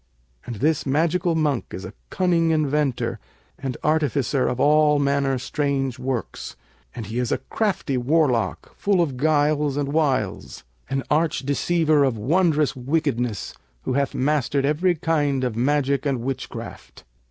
And this magical monk is a cunning inventor and artificer of all manner strange works; and he is a crafty warlock full of guiles and wiles, an arch deceiver of wondrous wickedness, who hath mastered every kind of magic and witchcraft.